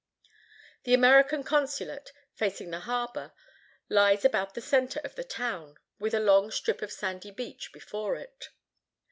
The American consulate, facing the harbor, lies about the center of the town, with a long strip of sandy beach before it.